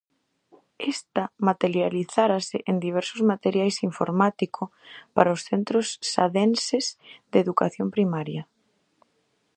Esta materializarase en diversos materiais informático para os centros sadenses de Educación e Primaria.